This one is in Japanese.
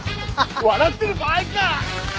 笑ってる場合か！